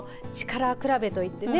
力比べといってね